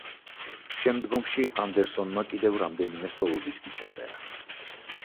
შემდგომში ანდერსონმა კიდევ რამდენიმე სოლო-დისკი ჩაწერა.